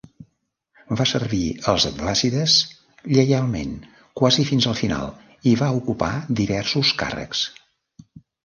Va servir els abbàssides lleialment quasi fins al final i va ocupar diversos càrrecs.